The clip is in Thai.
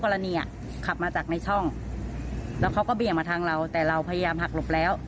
แล้วเขาก็เบี่ยงมาทางเราแต่เราพยายามหักหลบแล้ว